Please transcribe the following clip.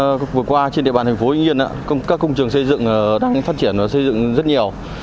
trường hợp vừa qua trên địa bàn thành phố nguyễn yên các công trường xây dựng đang phát triển và xây dựng rất nhiều